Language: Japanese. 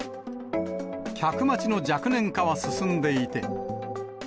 客待ちの若年化は進んでいて。